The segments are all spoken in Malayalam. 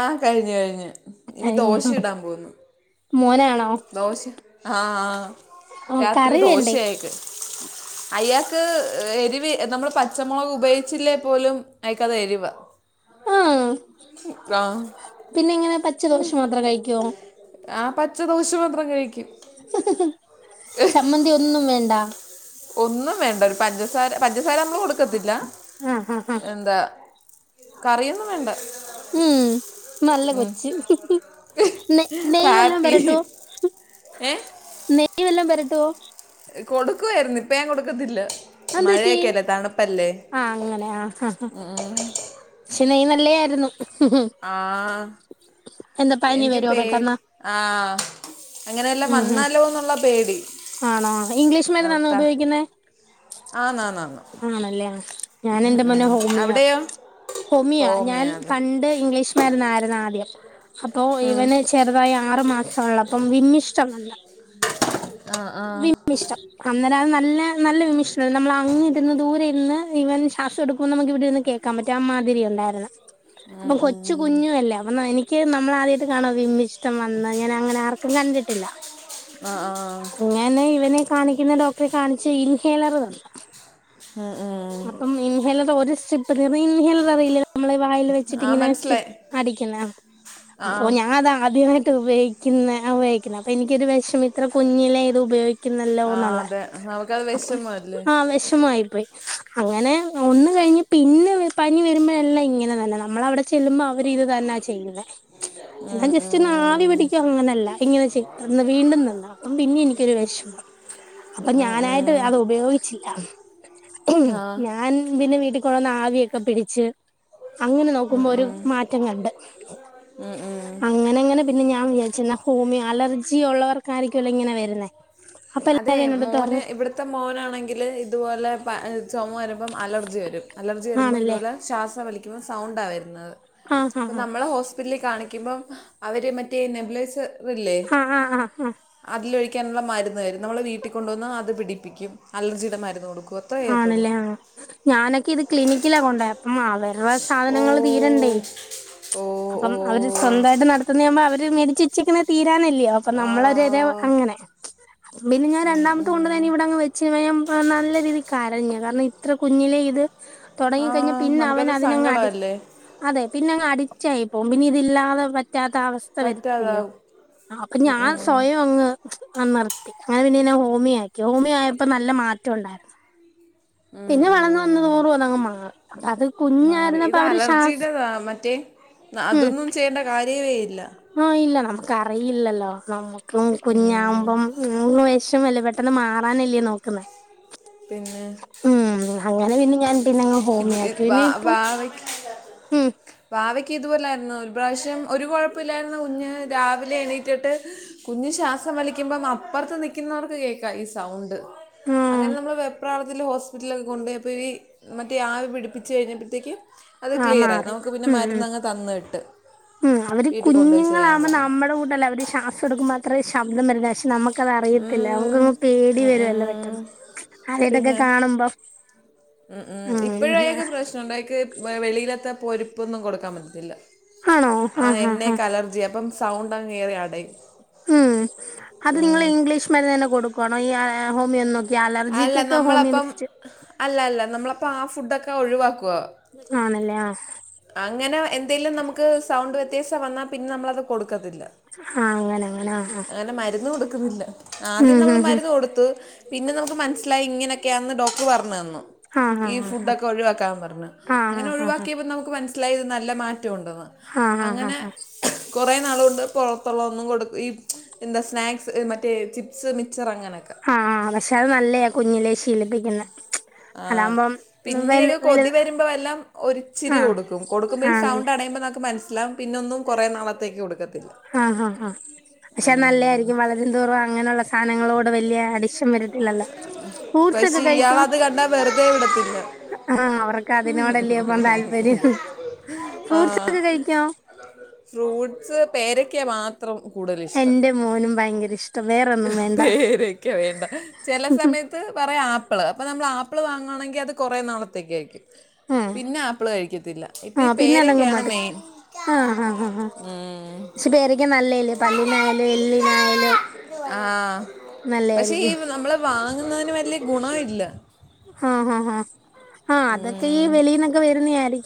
ആഹ് കഴിഞ്ഞു കഴിഞ്ഞു ഇനി അയ്യോ ദോശയിടാൻ പോവുന്നു മോനാണോ ആ ഓ രാത്രി കറി വേണ്ടേ ദോശയായിക്ക് അയ്യ ക്ക് എരിവി നമ്മള് പച്ചമോളക് ഉപയോഗിച്ചില്ലേ പോലും ആയ്ക്കത് എരിവാ ആഹ് പിന്നെ ഇങ്ങനെ പ ച്ച ദോശ മാത്രം കഴിക്കുവോ ആ പച്ച ദോശ മാത്രം കഴിക്കും ചമ്മന്തിയൊന്നും വേണ്ട ഒന്നും വേണ്ട ഒരു പഞ്ചസാര പഞ്ച സാര നമ്മള് കൊടുക്കത്തില്ല ആഹ് ആഹ് ആഹ് എന്താ കറിയൊന്നും വേണ്ട ഉം നല്ല കൊച്ച് നെയ്യ് വല്ലതും കാപ്പി പരട്ടോ ഏ നെയ്യ് വല്ലതും എട്ടോ കൊടുക്കുവായിരുന്നു ഇപ്പ ഞാൻ കൊടുക്കത്തില്ല അതെന്തുപറ്റി മഴയൊക്കെ അല്ലേ തണുപ്പല്ലേ ആ അങ്ങനെ ആ ഹ അല്ലായിരുന്നു ആഹ എന്താ പനി എനിക്ക് വരുവോ പേര് പെട്ടെന്ന് ആഹ അങ്ങനെയല്ലാം ഉം ഉം വന്നാലോ എന്നുള്ള പേടി ആണോ ഇംഗ്ലീഷ് മര്ന്നാണോ നിർത്ത ഉപയോഗിക്കുന്നേ ആന്നാന്നാന്ന് ആണല്ലേ ആ ഞാൻ എന്റെ മോന് ഹോമിയ അവിടെയോ ഹോമിയാ ഞാൻ ഹോമിയാത് പണ്ട് ഇംഗ്ലീഷ് മരുന്നായിരുന്നു മരുന്നായിരുന്നു ആദ്യം അപ്പൊ ഇവന് ചെറുതായി ആറു മാസ ഒള്ളപ്പം വിമ്മിഷ്ടമല്ല ആ ആ വിമ്മിഷ്ടം അന്നതാണ് ഇല്ല നല്ല വിമ്മിഷ്ടമാണ് നമ്മൾ അങ്ങ് ഇരുന്ന് ദൂരെ ഇന്ന് ഇവൻ ശ്വാസം എടുക്കുമ്പോൾ അപ്പൊ നമുക്കിവിടെ ഇരുന്ന് കേൾക്കാൻ പറ്റും അമ്മാതിരി ഉണ്ടായിരുന്നു ഇതല്ല ഉം, അപ്പം കൊച്ചു ഉം. കുഞ്ഞുവല്ലേ അപ്പൊ എനിക്ക് നമ്മൾ ആദ്യമായിട്ട് കാണാ വിമ്മിഷ്ടം വന്ന് ഞാൻ അങ്ങനെ ആർക്കും കണ്ടിട്ടില്ല ആ ആ ഇങ്ങനെ ഇവനെ കാണിക്കുന്ന ഡോക്ടറെ കാണിച്ച് ഇൻഹേലർ തന്നു ഉം, ഉം. അപ്പം ഇൻഹേലർ ഒരു സിബ് റിറിങ് ഇൻഹേലറ് അറിയില്ലേ നമ്മളെ വായിൽ വെച്ചിട്ട് ആ ഇങ്ങനെച്ച് മനസ്സിലായി ആ ആ. അടിക്കുന്നഅപ്പൊ ഞാൻ അത് ആദ്യമായിട്ട് ഇത് ഉപയോഗിക്കുന്നെ അപ്പൊ എനിക്കൊരു വിഷമം ഇത്ര കുഞ്ഞിലെ ഇത് ഉപയോഗിക്കുന്ന ഉപയോഗിക്കുന്നല്ലോ ആ എന്നുള്ള അതെ നമുക്കത് അപ്പൊ വിഷമല്ലേ ആഹ് വിഷമമായി പോയി അങ്ങനെ ഒന്ന് കഴിഞ്ഞ് പിന്നെ നമ്മള് പനി വരുമ്പോഴെല്ലാം ഇങ്ങനെ തന്നെ നമ്മൾ അവിടെ ചെല്ലുമ്പോ അവര് ഇത് തന്നാ ചെയ്യുന്നെ എന്നാ ഉം, ജസ്റ്റ് ഒന്ന് ആവി ഉം. പിടിക്കും അങ്ങനെ അല്ല ഇങ്ങനെ ചെയ്യുന്നത് വീണ്ടും ഇന്ന് എനിക്കൊരു വിഷമം അപ്പം ഉം, ഞാനായിട്ട് ഉം. അത് ഉപയോഗിച്ചില്ല. ആ ഞാൻ പിന്നെ വീട്ടിൽ കൊണ്ടുവന്ന് ആവിയൊക്കെ പിടിച്ച് അങ്ങനെ നോക്കുമ്പോ ഒരു മാറ്റം കണ്ടു ഉം, ഉം. അങ്ങനങ്ങനെ പിന്നെ ഞാൻ വിചാരിച്ചു ചെന്നാ ഹൂമി അലർജി ഒള്ളവർക്കാരി ക്കു അല്ല ഇങ്ങനെ വരുന്നെ അതേ മോന് ഇവിട്ത്തെ മോനാണെങ്കില് ഇതുപോലെ വ ഹ് ചൊമ വരമ്പം അലർജി വെരും. അലർജി വരുമ്പോ ആണല്ലേ ഇതോലെ ശ്വാസ വലി സൗണ്ടാ വരുന്നെത് ആഹ് ഇപ്പം ആഹ് നമ്മളെ ഹോസ്പിറ്റ്ല് കാണിക്കുമ്പം അവര് മറ്റേ നെബുലൈസ് ല്ലേ ആഹ് ആഹ് ആഹ് ആഹ് അതിലൊഴി ക്കാനുള്ള മരുന്ന്തരും നമ്മള് വീട്ടി കൊണ്ടു വന്ന് അത് പിടിപ്പിക്കും അലർജിയുടെ മരുന്ന് കൊടുക്കും അത്രേ ചെയ്യത്തുള്ളൂ ആണല്ലേ ആ ഞാനൊക്കെ ഇത് ക്ലിനിക്കിലാ കൊണ്ട മാള് അവരക സാധനങ്ങള് തീരണ്ടേ ഓ ഓ ഓ അപ്പം അവര് സ്വന്തായിട്ട് നടത്തുന്ന ആവുമ്പം മേടിച്ചു വച്ചേക്കുന്ന തീ ഇല്ലിയോ അപ്പ ആ നമ്മളരെ അങ്ങനെ പിന്നെ ഞാൻ ഉം, രണ്ടാമത്തെ കൊണ്ട് ഉം. തന്നെ ഇവിടെങ് വെച്ച് ആഹ് നല്ല രീതി കരഞ്ഞ് കാരണം ഇത്ര കുഞ്ഞിലെ ഇത് ആ തുടങ്ങി കഴിഞ്ഞ പിന്നെ അവൻ നമുക്കത് അതിനങ്ങ് അടി സങ്കടമല്ലേ അതെ പിന്നെ അങ്ങ് അടിക്റ്റായി മ്പിനിതില്ലാതെ പറ്റ പറ്റാത്ത അവസ്ഥ വരത്തില്ല പറ്റാതാവും അപ്പൊ ഉം, ഞാൻ ഉം, ഉം. സ്വയം അങ്ങ് ച്ചും ആ നിർത്തി അങ്ങനെ പിന്നെ ഇന്നെ ഹോമിയ ആക്കി ഹോമിയോ ആയപ്പോ നല്ല മാറ്റം ഉണ്ടായിരുന്നു ഉം പിന്നെ വളർന്ന് ഉം വന്നതോറും അതങ്ങ് മറി അത് മാറി കുഞ്ഞായിരുന്നപ്പോ ഇത് അവര് ശാ അലർജിയുടെതാ മറ്റേ മ്മ് അതൊന്നും ചെയ്യേണ്ട കാര്യമേ ഇല്ല ആഹ് ഇല്ല നമുക്ക് അറിയില്ലല്ലോ ന ക്കും ഉം. കുഞ്ഞാവുമ്പം [unintelligible] വെശ് വല്ല പെട്ടെന്ന് മാറാനല്ലേ നോക്കുന്നേ പിന്നെ ഉം അങ്ങനെ പിന്നെ ഞാൻ പിന്നങ്ങ് ഇത് ഹോമിയാക്കി ഇത് പിന്നെ വാ- ഇപ്പം ഉം ക്ക്‌ ഇതുപോലൊയിരുന്നു ഒരു പ്രാവശ്യം ഒരു കൊഴപ്പമില്ലായിരുന്ന കുഞ്ഞ് രാവിലെ എണീറ്റിട്ട് കുഞ്ഞ് ശ്വാസം വലിക്കുമ്പം അപ്പുറത്ത് നിക്കുന്നവർക്ക് കേക്കാം ഈ സൗണ്ട് ആഹ് വീട്ടിലൊക്കെ കൊണ്ടു പോയപ്പഴ് മറ്റേ ആവി പിടിപ്പിച്ച് കഴിഞ്ഞപ്പോഴത്തേക്കും അത് ആഹ് ക്ലിയറായി മാറി നമക്ക് പിന്നെ ഉം ഉം മര്ന്നങ്ങ് തന്ന് വിട്ട്. ഉം അവര് കുഞ്ഞുങ്ങളാവുമ്പോ നമ്മടെ കൂടല്ലെ അവര് ശ്വാസടുക്ക്മ്പോ അത്രേ ശബ്ദം വരുന്നേ ക്ഷേ നമ ക്കത് അറിയത്തില്ല ഉം, നമക്കങ്ങ് പേടി ഉം, വരൊല്ലോ ഉം. പെട്ടെന്ന് ആദ്യായിട്ടൊക്കെ കാണുമ്പോ ഉം ഉം ഇപ്പഴഅയാക്ക് പ്രശ്നണ്ട് അയ്യാക്ക് വെ വെളിയി ത്തെ പൊരിപ്പൊന്നും കൊടുക്കാൻ പറ്റത്തില്ല ആണോ ആ ആഹ് ആഹ് ആഹ് എണ്ണേക്ക അലർജിയ അപ്പം സൗണ്ട് അങ് കേറി അടയും ഉം അത് നിങ്ങള് ഉം. ഇംഗ്ലീഷ് മരുന്ന് തന്നെ കൊടുക്കാണ് ഈ യ്യാ ഹോമിയൊന്നും അല്ല നമ്മളപ്പം അല്ല അല്ല നമ്മള് അപ്പ ആ ഫുഡൊക്കെ ഒഴുവാക്കും. ആണല്ലേ ആഹ് അങ്ങനെ എന്തേലും നമുക്ക് സൗണ്ട് വ്യത്- വന്നാൽ പിന്ന നമ്മളത് കൊടു- ആഹ അങ്ങനെ അങ്ങനെ ആ ആഹ ന്നില്ല ആദ്യം നമ്മള് മരുന്ന് കൊടുത്ത് പിന്നെ നമു മനസ്സിലായി ഇങ്ങനൊക്കെയാന്ന് ഡോക്ടർ പറഞ്ഞു തന്നു ആഹ് ഈ ഫുഡ് ആഹ് ഒക്കെ ഒഴിവാക്കാൻ പറഞ്ഞ് ആഹ് അങ്ങനെ ആഹ് ആഹ് ഒഴിവാക്കിയപ്പോ നമുക്ക് മന- ഇത് നല്ല മാ ഉണ്ടെന്ന് ആഹ് ആഹ് ആഹ് അങ്ങനെ ആഹ് കുറേ നാള് കൊണ്ട് പുറത്തുള്ള ഒന്നും കൊടുക്കില്ല ഈ സ്നാക്ക്സ് മറ്റേ ചിപ്സ് മിച്- ചെറങ്ങനൊക്കെ പക്ഷ അത് നല്ലയാ കുഞ്ഞിലെ ശീലിപ്പിക്കുന്ന ആ പിന്നെയൊക്കെ കൊതി വരുമ്പോ എല്ലാം ഒരിച്ചിരി ആഹ് കൊടുക്കും കൊടുക്കുമ്പോ ഈ ആണല്ലേ സൗണ്ട് അടയുമ്പോ നുക്ക് മനസ്- എല്ലാം പിന്ന ഒന്നും കുറേ നാളത്തേക്ക് കൊടുക്കില്ല ആഹ് ആഹ് ആഹ് പക്ഷെ നല്ല ആയിരിക്കും വളരുന്തോറും അങ്ങനുള്ള സാധനങ്ങളോട് വലിയ അഡിഷൻ വരത്തില്ലല്ലോ ഫ്രൂട്ട്സ് ഒക്കെ പക്ഷെ കഴിക്കോ ഇയാളത് കണ്ടാൽ വെറുതെ വിടത്തില്ല ആ അവർക്ക് അതിനോടല്ലേ ഇപ്പം താല്പര്യം ആ ഫ്രൂട്ട്സ് ഒക്കെ കഴിക്കോ ഫ്രൂട്ട- പേരക്കെയാ മാത്ര- ഇത്ര കൂടുതൽ ഇഷ്ടം എന്റെ മോനും ഭയങ്കര ഇഷ്ടം വേറൊന്നും വേണ്ട പേരക്ക വേണ്ട ചില സമയത്ത് പറയാ ആപ്പിള് അപ്പൊ നമ്മൾ ആപ്പി- ആപ്പിൾ വാങ്ങുകയാണെങ്കിൽ അത് കുറേ നാളത്തേക്കായിരിക്കും ഉം പിന്നെ ആപ്പിൾ കഴിക്കത്തില്ല ആഹ് പിന്നെ അതങ്ങ് പേരയ്ക്കയാണ് മട്ക്കും മെയിൻ ആ ആ ആ പക്ഷെ പേരക്കെ നല്ലേല്ലേ പല്ലിനായാലും എല്ലിനായാലും ആ നല്ല പക്ഷേ ഈ ആയിരിക്കും നമ്മൾ വാങ്ങുന്നതിന് വല്യ ഗുണവില്ല ആഹ ഹഹ് ഹഹ ആഅതൊക്കെ ഈ ഉം. വെളീന്നൊക്കെ വരുന്ന ആയിരി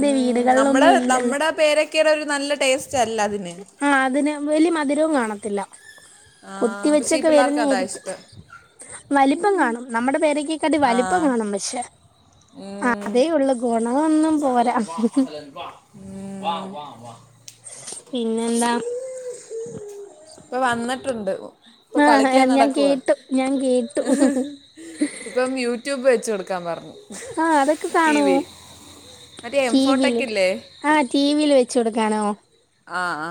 ഉം നമ്മുടെ ഇല്ലല്ലോ നമ്മുടെ പേരക്കെയടെ ഒരു നല്ല ട്ടേസ് ചെല്ലതിന് ആഹ് അതിന് വലിയ മധുരവും കാണത്തില്ല ആ കുത്തി പക്ഷെ ഈ വെച്ചൊക്കെ വരുന്ന പിള്ളേർക്ക് അതാ ആയിരിക്കും. ഇഷ്ടം വലിപ്പം കാണും നമ്മുടെ പേരക്കെക്കാട്ടി വലിപ്പം ആ കാണും പക്ഷേ ഉം. അതെ ഉള്ളൂ ഗോ [unintelligible] ന്നെ എന്താ ഇപ്പൊ വന്നിട്ടുണ്ട് ഇപ്പൊ ആഹ് കളിക്കാൻ ഞാൻ നടക്കുവ കേട്ടു ഞാൻ കേട്ടു ഇപ്പം യൂട്യൂബ് വെച്ച കൊട് ക്കാം പർഞ്ഞു ആഅതൊക്കെ കാണോ മറ്റേ എം ടി വിൽ ഫോട്ടൊക്കെ ഇല്ലേ ആ ടി വിൽ വെച്ച് കൊടുക്കാ ണോ ആ ആ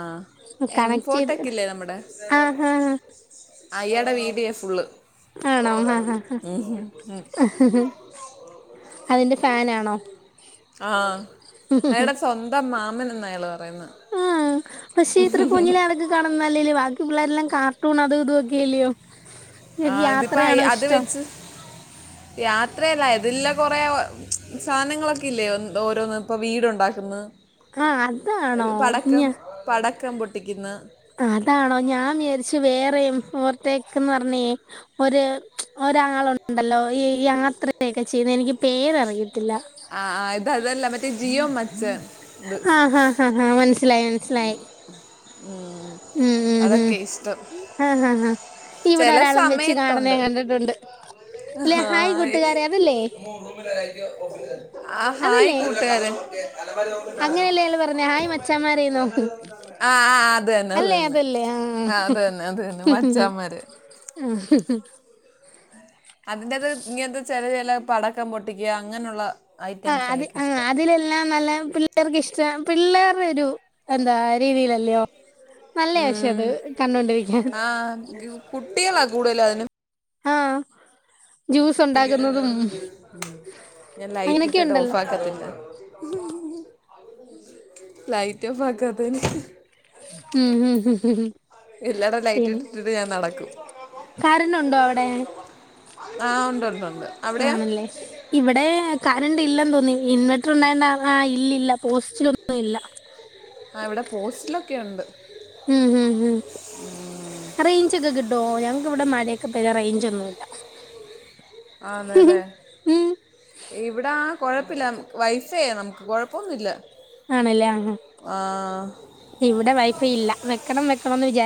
ചെയ്ത് എംഫോട്ടക്കെല്ലേ നമ്മടെ ആഹ് ആഹ് അയാടെ വീഡിയോ ഫുള്ള് ആണോ ആഹ് ആഹ് അതിന്റെ ഫാനാണോ ആ അയടെ സ്വന്തം മാ മ്മനെന്ന് അയാള് പറയുന്നെ ആ പക്ഷേ ഇത്ര കുഞ്ഞിലാൾക്ക് കാണുന്നല്ലേല് വാ പിള്ളേരെല്ലാം കാർട്ടൂൺ അതും ഇതൊക്കെല്ലയോ ആ ഇതിപ്പോ ഐ അത് വെച്ച് യാത്രയല്ല എതില്ല കുറെ ഒ സാനങ്ങളൊക്കെ ഇല്ലേ ഓരോന്ന ഇപ്പൊ വീടുണ്ടാക്കുന്നു ആഹ് അതാണോ ഹ് പടക്കം ഞ പടക്കം പൊട്ടിക്കുന്നഹ് അതാണോ ഞാൻ വിചാരിച്ചു വേറെയും ഫോർത്തേക്കുന്നർ ഒന്നേ ഒര് ഒരാളുണ്ടല്ലോ ഈ യാത്രയൊക്കെ ചെയ്യുന്ന എനിക്ക് പേരറിയിൽ ല്ല ആ ആ, ഇത് അതല്ല മറ്റേ ജിയോ മച്ച ഇത് ആഹ ഹ ഹ മനസിലായി മനസിലായി ഉം അതൊക്കെ ഇഷ്ടം ഉം ആ ആ ഇവിടെ ചില ഒരാളും വെച്ച് കാണുന്ന സമയത്തുണ്ട് ഞാൻ കണ്ടിട്ടുണ്ട് ല്ലെ ഹായ് കൂട്ടുകാരെ അതല്ലേ ആ ഹായ് അതല്ലേ കൂട്ടുകാരേ അങ്ങനെയല്ലേ ള് പറഞ്ഞേ ഹായ് മച്ചാമാരേ ന്നോഹു ആ ആ, അത് തന്നെ അത് അല്ലേ തന്നെ അതല്ലേ ആ അത് തന്നെ അത് തന്നെ മച്ചാന്മാര് അതിന്റത് ഇഞ്ഞിന്താച്ചാല് ല്ല പടക്കം പൊട്ടിക്യാ അങ്ങനെ ഉള്ള ആ അത് ആ അതിലെല്ലാം നല്ല പിള്ളേർക്ക് ഇഷ്ടം പിള്ളേ രു എന്താ രീതിയിലല്ലയോ നല്ല യാ പഷേ ഉം അത് കണ്ടോണ്ടിരിക്കാൻ കൂടുതൽ അതിനും ആ ഞാൻ ലൈറ്റ് അങ്ങനെയൊക്കെ ഇട്ടിട്ട് ഓഫ് ഉണ്ടല്ലോ ആക്കത്തില്ല. ലൈറ്റ് ഓഫ് ആക്കാത്തേന് ഉം ഇല്ലട ലൈറ്റ് പിന്നെ ഇട്ടിട്ടിട്ട് ഞാൻ നടക്കും. കറണ്ട് ഉണ്ടോ അവിടെ ആഹ് ഉണ്ട് ഉണ്ട്ണ്ട്. ആണല്ലേ ഇവിടെ ക റൻ്റ് ഇല്ലെന്ന് തോന്നി ഇൻവെർട്ടർ ഉണ്ടായോണ്ടാ ആ ഇല്ലില്ല പോസ്റ്റിലൊന്നും ഇല്ല. ആഹ് ഇവിടെ പോസ്റ്റിലൊക്കെ ഉണ്ട്. ഉം ഉം ഉം പ [unintelligible] റേഞ്ച് ഒന്നുമില്ല. ആന്ന്ല്ലേ ഉം ഇവിടാ കുഴപ്പമില്ല വൈഫൈയാ നമുക്ക് കുഴപ്പമൊന്നുമില്ല. ആണല്ലേ ആ ആഹ്.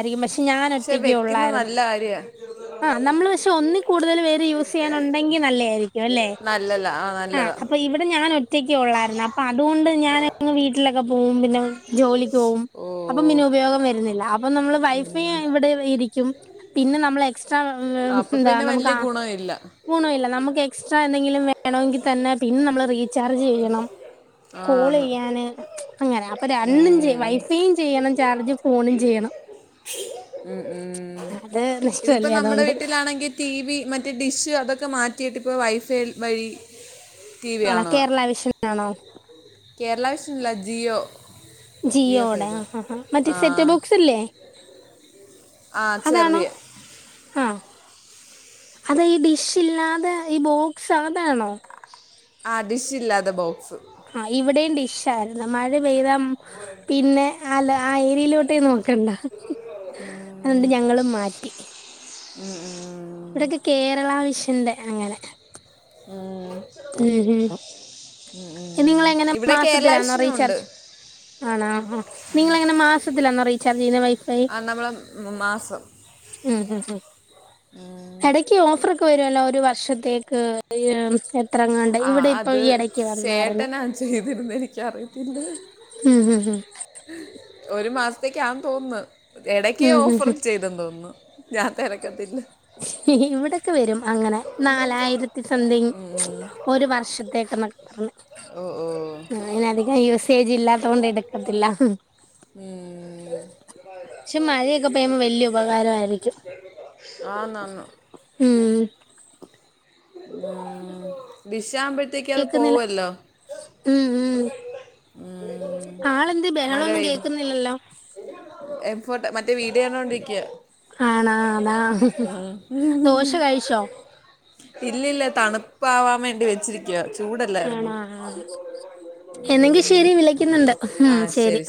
രിക്കും പക്ഷേ ഞാൻ പക്ഷെ ഒറ്റക്കെ വെക്കുന്നത് ഒള്ളായിരുന്നു നല്ല കാര്യമാണ് ആഹ് നമ്മള് പക്ഷേ ഒന്നിൽ കൂടുതൽ പേര് യൂസ് ചെയ്യാൻ ഉണ്ടെങ്കി നല്ല യായിരിക്കും അല്ലേ നല്ലതാ ആ ആഹ് നല്ലതാ അപ്പം ഇവിടെ ഞാൻ ഒറ്റക്കെ ഒള്ളായിരുന്നു അപ്പൊ അത് കൊ ണ്ട് ഞാൻ അങ്ങ് വീട്ടിലൊക്കെ പോകും പിന്നെ ജോലി പോവും ഓ അപ്പൊ പിന്നെ ഉപയോഗം വരുന്നില്ല അപ്പൊ നമ്മള് വൈഫൈ ഇവിടെ ഇരിക്കും. പിന്നെ നമ്മള് എക്സ് ട്രാ അപ്പൊ എന്താ പിന്നെ നമുക്ക് വലിയ ആഹ് ഗുണമില്ല ഗുണവില്ല നമുക്ക് എക്സ്ട്രാ എന്തെങ്കിലും വേണമെങ്കിൽ തന്നെ പിന്നെ നമ്മള് റീചാർജ് ചെയ്യണം. കോൾ ആന്ന് ചെയ്യാന് അങ്ങനെ അപ്പൊ രണ്ടും ചെയും ഉം സീൻ ചെയ്യണം ചാർജ് ഫോണും ചെയ്യണം. ഉം ഉം. അത് ഇതിപ്പോ നഷ്ടല്ലേ നമ്മുടെ അതുകൊണ്ട് വീട്ടിലാണെങ്കിൽ ടി വി മറ്റ് ഡിഷ് അതൊക്കെ മാ റ്റീട്ടിപ്പോൾ വൈഫൈ വഴി ടി വി ആണോ കാണുക കേരള വിഷനാണോ? കേരള വിഷൻ അല്ല ജിയോ. ജിയോ ജിയോടെ ആഹ് ഫൈബർ ആഹാ ഹാ മറ്റേ ആ സെറ്റപ് ബോക്സ് അല്ലേ ആ അതാണോ ചെറിയ ആഹ്. അത് ഈ ഡിഷ് ഇല്ലാതെ ഈ ബോക്സ് അതാണോ? ആ ഡിഷ് ഇല്ലാതെ ബോക്സ് ആ ഇവിടേം ഡിഷ്‌ ആയിരുന്നു മഴ പെയ്ത പിന്നെ അല്ല ആ അയ്രിയിലോട്ടേ നോക്കണ്ട അത്കൊണ്ട് ഞങ്ങളും മാറ്റി ഉം ഉം. ഇവിടൊക്കെ കേരള വിഷന്റെ അങ്ങനെ ഉം ഉം ഹും നിങ്ങളെങ്ങനെ ഇവിടെ കേരള മാസത്തിലാണോ വിഷനും ഉണ്ട് റീചാർജ് ആണ് ആ ആ നിങ്ങളെങ്ങനെ മാസത്തിലാണോ റീചാർജ് ചെയ്യുന്നേ വൈഫൈ ആ നമ്മളെ മ- മാസം എടക്ക് ഓഫാറൊക്കെ വരുല്ലോ ഒരു വർഷ [unintelligible] ത്രങ്ങാണ്ടെ ആ ഇവിടെ ഇപ്പ അത് ഈ എടക്ക് ചേട്ടനാ ചെയ്തിര്ന്നെ എനിക്കറിയത്തില്ല ഉം ഉം ഒരു മാസത്തേക്കാ തോന്ന്ന്ന് എടയ്ക്ക് ഉം ഉം ഉം ഓഫർ ഉം ചെയ്തെന്തോന്നുന്നു [unintelligible] ഇവിടൊക്കെ വരും അങ്ങനെ നാലായിരത്തി സംതിങ് ഒരു വർഷത്തേക്ക് ന്ന്ക്കൊ ഓ ഓ ആ അധികം യൂസേജ് ഇല്ലാത്ത കൊണ്ട് എടുക്കത്തില്ല ഹ് ഉം പക്ഷെ മഴയൊക്കെ പെയ്യുമ്പോ വല്യ ഉപകാരായിരിക്കും ആന്നാന്ന് ഉം ഉം മിക് റ്റ കുമ്പോഴത്തേക്ക് അത് കേക്കുന്നില്ല പോവല്ലോ ഉം ഉം ഉം ആളെന്ത് മഴ ബഹളൊന്നും പെയ്യും കേക്കുന്നില്ലല്ലോ എ ഫോർ മറ്റേ വീഡിയോ കണ്ടോണ്ടിരിക്കാ ആണാ അതാ ദോശ കഴിച്ചോ ഇല്ലല്ല തണുപ്പാവാൻ വേണ്ടി വെച്ചിരിക്കുവാ ആണോ ആ എന്നെങ്കിൽ ഉം. ശരി വിളക്കുന്നുണ്ട് ഉം ശരി